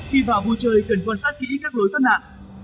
khi vào vui chơi cần quan sát kỹ các lối thoát nạn